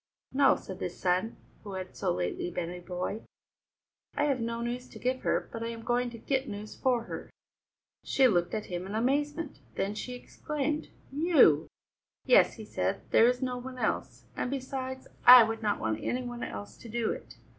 "No," said the son, who had so lately been a boy, "I have no news to give her, but I am going to get news for her." She looked at him in amazement; then she exclaimed: "You!" "Yes," he said, "there is no one else. And besides I would not want any one else to do it.